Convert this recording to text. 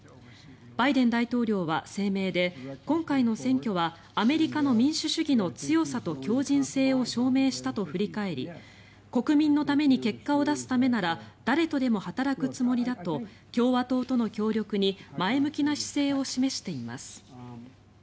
バイデン大統領は声明で今回の選挙はアメリカの民主主義の強さと強じん性を証明したと振り返り国民のために結果を出すためなら誰とでも働くつもりだと共和党との協力に前向きな姿勢を示しています。